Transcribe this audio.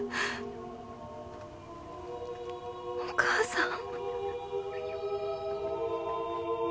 お母さん？